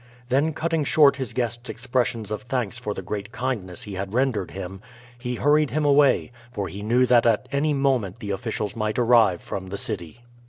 Then cutting short his guest's expressions of thanks for the great kindness he had rendered him, he hurried him away, for he knew that at any moment the officials might arrive from the city.